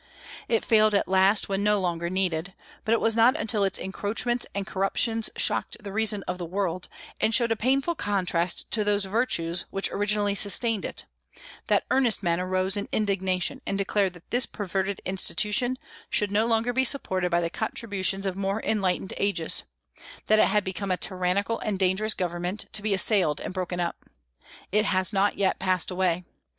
It failed at last, when no longer needed. But it was not until its encroachments and corruptions shocked the reason of the world, and showed a painful contrast to those virtues which originally sustained it, that earnest men arose in indignation, and declared that this perverted institution should no longer be supported by the contributions of more enlightened ages; that it had become a tyrannical and dangerous government, to be assailed and broken up. It has not yet passed away.